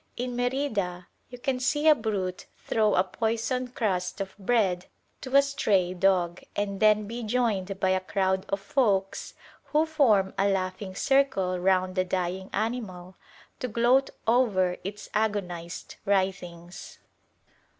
In Merida you can see a brute throw a poisoned crust of bread to a stray dog, and then be joined by a crowd of folks who form a laughing circle round the dying animal to gloat over its agonised writhings.